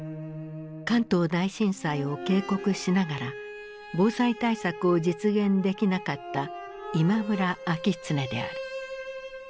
関東大震災を警告しながら防災対策を実現できなかった今村明恒である。